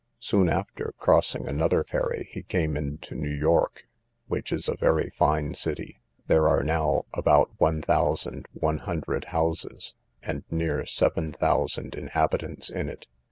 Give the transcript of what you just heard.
Soon after, crossing another ferry, he came into New York, which is a very fine city. There are now about one thousand one hundred houses, and near seven thousand inhabitants in it.